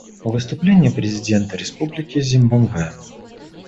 Выступление президента Республики Зимбабве.